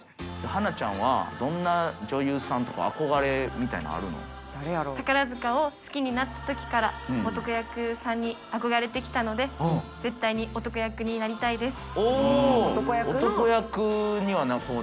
英ちゃんはどんな女優さんとか、宝塚を好きになったときから、男役さんに憧れてきたので、絶対に男役になりたいです。